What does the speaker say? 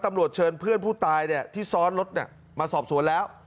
ตำรวจเชิญเพื่อนผู้ตายที่ซ้อนรถมาสอบสวนแล้ว